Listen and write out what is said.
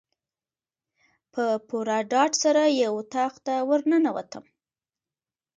په پوره ډاډ سره یو اطاق ته ورننوتم.